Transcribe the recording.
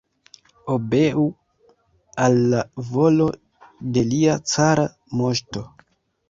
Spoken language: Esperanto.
Obeu al la volo de lia cara moŝto!